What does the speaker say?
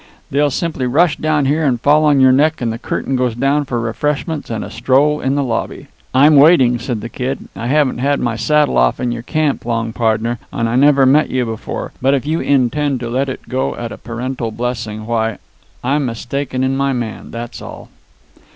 They'll simply rush down here and fall on your neck, and the curtain goes down for refreshments and a stroll in the lobby." "I'm waiting," said the Kid. "I haven't had my saddle off in your camp long, pardner, and I never met you before; but if you intend to let it go at a parental blessing, why, I'm mistaken in my man, that's all."